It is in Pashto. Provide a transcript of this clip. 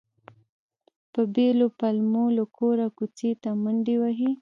په بېلو پلمو له کوره کوڅې ته منډې وهلې.